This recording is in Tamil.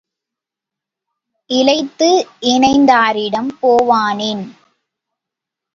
இளைத்து இனத்தாரிடம் போவானேன்?